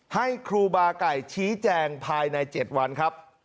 ให้ครูบาไก่ชี้แจงภายใน๗วันครับ